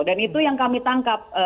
dan itu yang kami tangkap